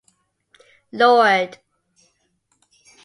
Lord!